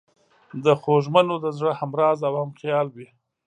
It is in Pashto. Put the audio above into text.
د خوږمنو د زړه همراز او همخیال وي.